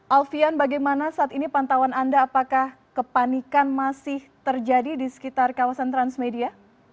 alfian bagaimana saat ini pantauan anda apakah kepanikan masih terjadi di sekitar kawasan transmedia